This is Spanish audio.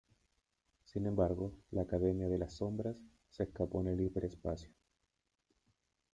Sin embargo la Academia de la Sombras se escapó en el Hiperespacio.